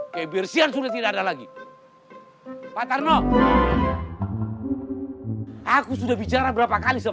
kebersihan sudah tidak ada lagi pak tarno